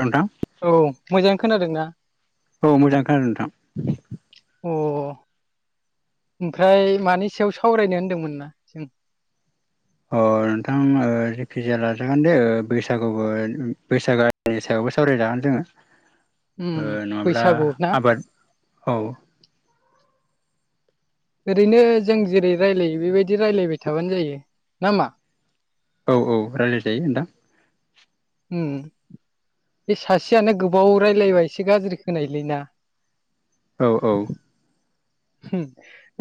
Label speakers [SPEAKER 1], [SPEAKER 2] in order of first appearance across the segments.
[SPEAKER 1] नोंथां
[SPEAKER 2] औ मोजाङै खोनादोंना
[SPEAKER 1] औ मोजाङै खोनादों नोंथां
[SPEAKER 2] अ ओमफ्राय मानि सायाव सावरायनो होनदोंमोन ना जों
[SPEAKER 1] अ नोंथां जेखिजाया लाजागोन दे बैसागुबो बैसागोनि सायाव बेबो सावरायजागोन
[SPEAKER 2] उम
[SPEAKER 1] जोङो नङाब्ला
[SPEAKER 2] बैसागु ना
[SPEAKER 1] आबाद औ
[SPEAKER 2] ओरैनो जों जेरै रायलायो बेबायदि रायलायबाय थाबानो जायो नामा
[SPEAKER 1] औ औ रायलायजायो नोंथां
[SPEAKER 2] उम बे सासेयानो गोबाव रायजलायबा एसे गाज्रि खोनायोलैना।
[SPEAKER 1] औ औ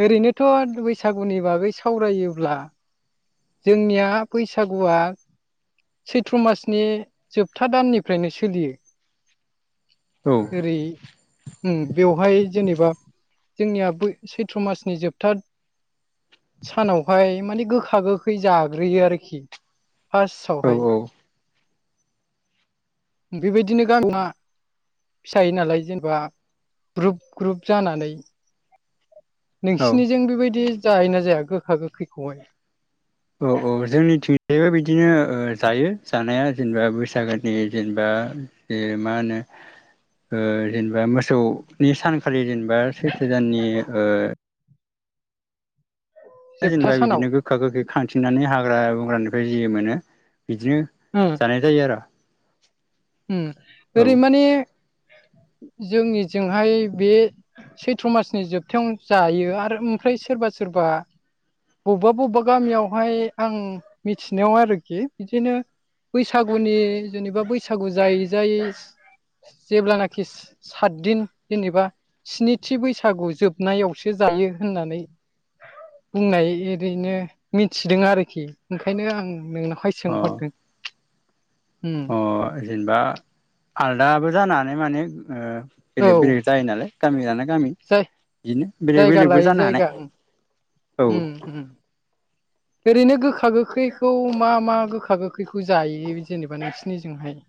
[SPEAKER 2] ओरैनोथ बैसागुनि बागै सावरायोब्ला जोंनिया बैसागुआ सैथ्र मासनि जोबथा दाननिफ्रायनो सोलियो
[SPEAKER 1] औ
[SPEAKER 2] जेरै बेवहाय जेनेबा जोंनिया सैथ्र मासनि जोबथा सानावहाय माने गोखा गो खै जाग्रोयो आरोखि फार्स्टावहाय
[SPEAKER 1] औ
[SPEAKER 2] बेबायदिनो गामिआ फिसाय नालाय जेनेबा ग्रुप ग्रुप जानानै
[SPEAKER 1] औ
[SPEAKER 2] नोंसिनिजों बेबायदि जायोना जाया गोखा गोखैखौहाय?
[SPEAKER 1] औ औ जोंनिथिं जायबो बिदिनो ओ जायो जानाया जेनेबा बैसागोनि जेनेबा इ मा होनो ओ जेनेबा मोसौनि सानखालि जेन बा सैथो दाननि ओ
[SPEAKER 2] जोबथा
[SPEAKER 1] जेनेबा
[SPEAKER 2] सानाव
[SPEAKER 1] बिदिनो गोखा गोखै खांथिंनानै हाग्रा बंग्रानिफ्राय जि मोनो बिदिनो
[SPEAKER 2] उम
[SPEAKER 1] जानाय जायो आरो।
[SPEAKER 2] उम
[SPEAKER 1] औ
[SPEAKER 2] ओरै माने जोंनिजोंहाय बे सैथ्र मासनि जोबथायाव जायो आरो ओमफ्राय सोरबा सोरबा बबबा बबबा गामियावहाय आं मिथिनायाव आरोखि बिदिनो बैसागुनि जेनेबा बैसागु जायै जायै जेब्लानाखि सातदिन जेनेबा स्निथि बैसागु जोबनायावसो जायो होननानै बुंनाय ओरैनो मिथिदों आरोखि ओंखायनो आं नोंना हाय
[SPEAKER 1] अ
[SPEAKER 2] सोंहरदों।
[SPEAKER 1] अ
[SPEAKER 2] उम।
[SPEAKER 1] जेनेबा आलदाबो जानो हानाय माने ओ
[SPEAKER 2] औ
[SPEAKER 1] बेलेक बेलेग जायो नालाय गामि लानाय गामि
[SPEAKER 2] जाय
[SPEAKER 1] बिदिनो बेलेग
[SPEAKER 2] जायगा
[SPEAKER 1] बेलेगबो
[SPEAKER 2] लायै
[SPEAKER 1] जानो हानाय
[SPEAKER 2] जायगा
[SPEAKER 1] औ।
[SPEAKER 2] उम उम ओरैनो गोखा गोखैखौ मा मा गोखा गोखैखौ जायो जेनेबा नोंसिनिजोंहाय? [inaudible]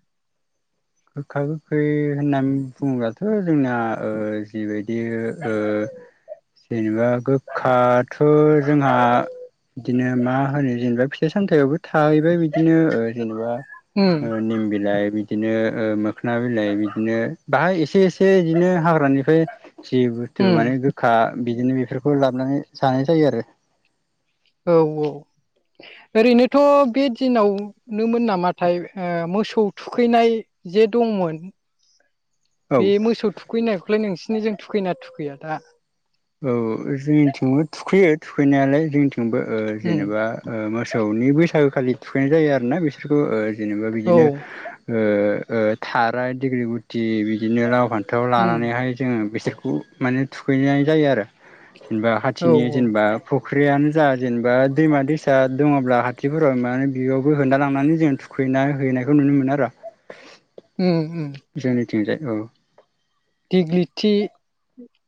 [SPEAKER 1] गोखा गोखै होननानै बुङोब्लाथ जोंना ओ जिबाय दि ओ जेनेबा गोखाथ जोंहा बिदिनो मा होनो जेनेबा फिथाइ सामथाययावबो थाहैबाय बिदिनो ओ जेनेबा
[SPEAKER 2] उम
[SPEAKER 1] ओ निम बिलाइ बिदि दिनो ओ मोखोना बिलाइ बिदिनो बाहाय एसे एसे बिदिनो हाग्रानिफाय जि बुस्थु
[SPEAKER 2] उम
[SPEAKER 1] माने गोखा बिदिनो बेफोरखौ लाबोनानै जानाय जायो आरो।
[SPEAKER 2] औ औ। ओरैनोथ' बे दिनावनोमोन नामाथाय ओ मोसौ थुखैनाय जे दंमोन।
[SPEAKER 1] औ
[SPEAKER 2] बे मोसौ थुखैनायखौलाय नोंसिनिजों थुखैना थुखैया दा?
[SPEAKER 1] औ जोंनिथिंबो थुखैयो थुखैनायालाय जोंथि थिंबो ओ
[SPEAKER 2] उम
[SPEAKER 1] जेनेबा ओ मोसौनि बैसागो खालि थुखैनाय जायो आरोना बिसोरखौ ओ जेनेबा
[SPEAKER 2] औ
[SPEAKER 1] बिदिनो ओ ओ थारा डिगि गुथि दि बिदिनो लाव फान्थाव
[SPEAKER 2] उम
[SPEAKER 1] लानानैहाय जोङो बेसोरखौ माने थुखैनाय जायो आरो। जेनबा
[SPEAKER 2] औ
[SPEAKER 1] हाथिनि जेनबा फुख्रियानो जा जेनेबा दैमा दैसा दङब्ला हाथिफोराव मा बियावबो होना लांनानै जों थुखैना है नायखौ नुनो मोनो आरो।
[SPEAKER 2] उम उम
[SPEAKER 1] थिंजाय औ।
[SPEAKER 2] दिग्लिथि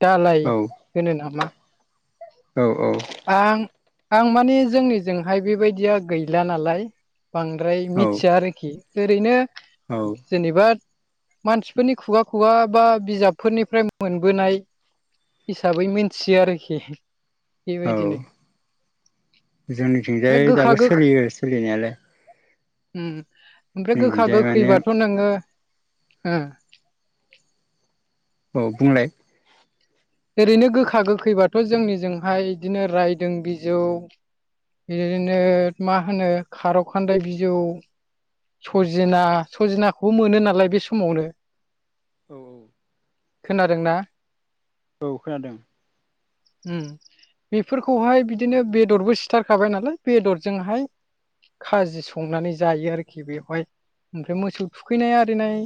[SPEAKER 2] दालाय
[SPEAKER 1] औ
[SPEAKER 2] होनो नामा?
[SPEAKER 1] औ औ।
[SPEAKER 2] आं आं माने जोंनिजोंहाय बेबायदिया गैला नालाय बांद्राय मिथिया आरोखि। जेरैनो
[SPEAKER 1] औ
[SPEAKER 2] जेनेबा मानसिफोरनि खुगा खुगा बा बिजाबफोरनिफ्राय मोनबोनाय हिसाबै मिनथियो आरोखि।
[SPEAKER 1] औ
[SPEAKER 2] बेबायदिनो ओमफ्राय
[SPEAKER 1] जोंनिथिंजाय
[SPEAKER 2] गोखा
[SPEAKER 1] दाबो
[SPEAKER 2] गोखै
[SPEAKER 1] सोलियो सोलिनायालाय।
[SPEAKER 2] उम ओमफ्राय गोखा
[SPEAKER 1] जोंनिथिंजाय माने
[SPEAKER 2] गोखैबाथ' नोङो ओ
[SPEAKER 1] औ बुंलाय।
[SPEAKER 2] ओरैनो गोखा गोखैबाथ' जोंनिजोंहाय बिदिनो रायदों बिजौ बिदिनो मा होनो खारौ खान्दाय बिजौ सजिना सजिनाखौबो मोनो नालाय बे समावनो
[SPEAKER 1] औ औ
[SPEAKER 2] खोनादोंना
[SPEAKER 1] औ खोनादों
[SPEAKER 2] [inaudible] बेफोरखौहाय बिदिनो बेदरबो सिथारखाबाय नालाय बेदरजोंहाय खाजि संनानै जायो आरोखि बेवहाय ओमफ्राय मोसौ थुखैनाय आरिनाय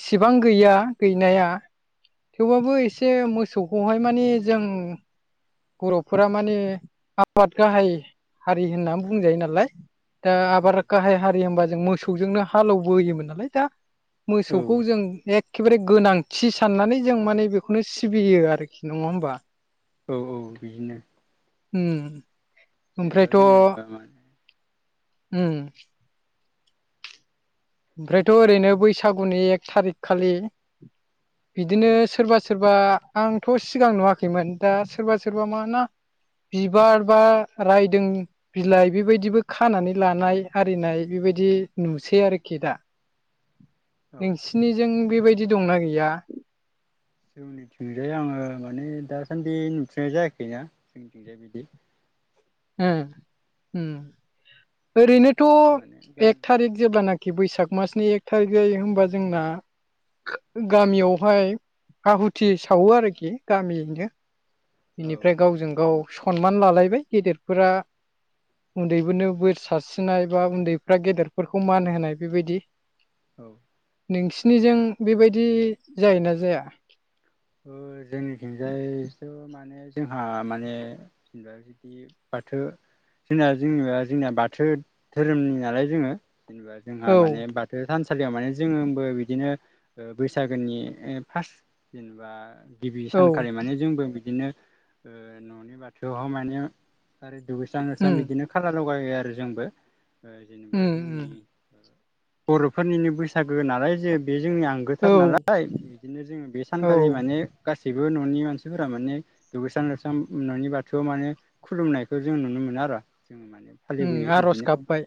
[SPEAKER 2] इसेबां गैया गैनाया थेवबाबो एसे एसे मोसौखौहाय माने जों बर'फोरा माने आबाद गाहाय हारि होननानै बुंजायो नालाय दा
[SPEAKER 1] औ
[SPEAKER 2] आबाद गाहाय हारि होमबा जों मोसौजोंनो हालबो एवोमोन नालाय दा
[SPEAKER 1] औ
[SPEAKER 2] मोसौखौ जों एखेबारे गोनांथि साननानै जों माने बे बेखौनो सिबियो आरोखि नङा होमबा
[SPEAKER 1] औ औ बिदिनो
[SPEAKER 2] उम
[SPEAKER 1] जेनबा
[SPEAKER 2] ओमफ्रायथ'
[SPEAKER 1] जों माने
[SPEAKER 2] उम ओमफ्रायथ' ओरैनो बैसागुनि एक थारिक खालि बिदिनो
[SPEAKER 1] औ
[SPEAKER 2] सोरबा सोरबा आंथ' सिगां नुवाखैमोन दा सोरबा सोरबा मा ना बिबार बा रायदों बिलाइ बेबायदिबो खानानै लानाय आरिनाय बे बेबायदि नुसै आरोखि आरो खि दा
[SPEAKER 1] औ
[SPEAKER 2] नोंसिनिजों बेबायदि दंना गैया
[SPEAKER 1] जोंनिथिंजाय आङो माने माने दासान्दि नुफनाय जायाखैनाा जोंनिथिंजाय बिदि
[SPEAKER 2] ओ ओम
[SPEAKER 1] औ माने
[SPEAKER 2] ओरैनोथ' एक
[SPEAKER 1] गामि
[SPEAKER 2] थारिख जेब्लानाखि खि बैसाग मासनि एक थारिख जायो होमबा जोंना गामियावहाय आहुथि सावो आरोखि गामियैनो
[SPEAKER 1] औ
[SPEAKER 2] बेनिफ्राय गावजों गाव सनमान लालायबाय गेदेरफोरा उनदैफोरनो बोर सारस्रिनाय बा उनदैफ्रा गेदेरफोरखौ मान होनाय बेबायदि
[SPEAKER 1] औ
[SPEAKER 2] नोंसिनिजों बेबायदि जायोना जाया?
[SPEAKER 1] जोंनिथिंजायथ' माने जोंहा माने जेनबा जुदि बाथौ जोंना जोंबा जोंना बाथौ धोरोमनि नालाय जोङो जेनेबा जोंहा
[SPEAKER 2] औ
[SPEAKER 1] माने बाथौ थानसालियाव माने जोंबो बिदिनो बैसागोनि फार्स्ट जेनेबा गिबि
[SPEAKER 2] औ
[SPEAKER 1] सानखालि माने जोंबो बिदिनो ओ न'नि बाथौआवहा माने आरो दुगैस्रां लोबस्रां
[SPEAKER 2] उम
[SPEAKER 1] बिदिनो खाला लगाय आरो जोंबो जेनेबा
[SPEAKER 2] उम
[SPEAKER 1] जोंनि
[SPEAKER 2] उम
[SPEAKER 1] बर'फोरनिनो बैसागो नालाय जे बे जोंनि
[SPEAKER 2] औ
[SPEAKER 1] आंगोथार नालाय बिदिनो जोङो बे
[SPEAKER 2] औ
[SPEAKER 1] सानखालि माने गासैबो न'नि मानसिफोरा माने दुगैस्रां लोबस्रां न'नि बाथौयाव माने खुलुमनायखौ जों नुनो मोनो मोनो आरो जों माने
[SPEAKER 2] ओम
[SPEAKER 1] फालिबोयो
[SPEAKER 2] आर'ज
[SPEAKER 1] बिदिनो
[SPEAKER 2] गाबबाय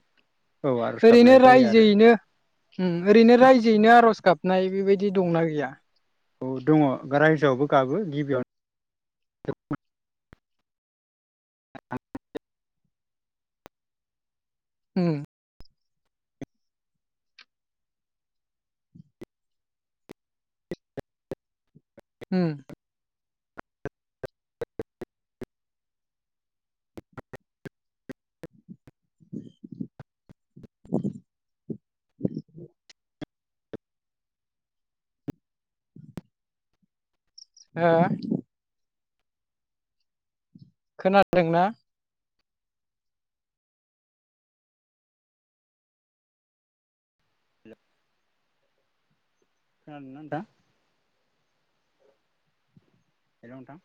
[SPEAKER 1] औ आर'ज
[SPEAKER 2] ओरैनो
[SPEAKER 1] गाबनाय जायो आरो
[SPEAKER 2] रायजोयैनो ओम ओरैनो रायजोयैनो आर'ज गाबनाय बेबायदि दि दंना गैया?
[SPEAKER 1] औ दङ रायजोयावबो गाबो गिबियावनो
[SPEAKER 2] ओम
[SPEAKER 1] [inaudible]
[SPEAKER 2] ओम [unintelligible] हो खोनादोंना?
[SPEAKER 1] ओम खोनादों ना नोंथां? हेलौ नोंथां